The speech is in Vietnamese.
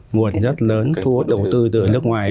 nguồn rất lớn thu hút đầu tư từ nước ngoài